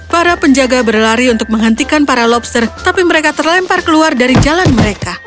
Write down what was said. para penjaga berlari untuk menghentikan para lobster tapi mereka terlempar keluar dari jalan mereka